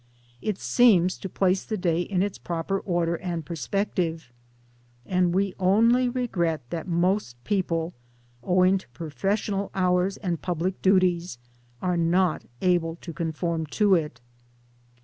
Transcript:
* It seems to place the day in its proper order and perspective ; and we only regret that most people owing to professional hours and public duties are not able tOj conform to it.